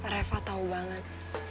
reva tau banget